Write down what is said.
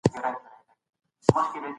سياسي پوهي په لرغوني يونان کي وده وکړه.